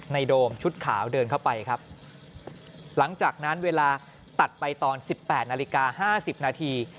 ในโดมชุดขาวเดินเข้าไปครับหลังจากนั้นเวลาตัดไปตอน๑๘นาฬิกา๕๐นาที